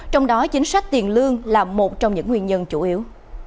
trong đó chính sách tiền lương là một trong những nguyên nhân chủ yếu